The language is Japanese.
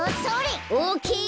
オーケー！